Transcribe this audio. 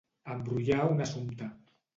Embrollar un assumpte.